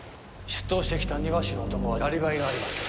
出頭してきた庭師の男はアリバイがありまして。